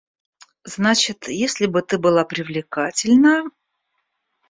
Значит, если бы ты была привлекательна...